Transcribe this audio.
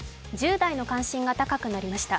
１０代の関心が高くなりました。